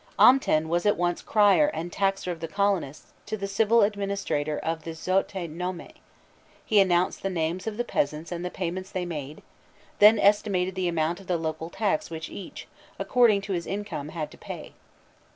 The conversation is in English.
Amten was at once "crier" and "taxer of the colonists" to the civil administrator of the Xoïte nome: he announced the names of the peasants and the payments they made, then estimated the amount of the local tax which each, according to his income, had to pay.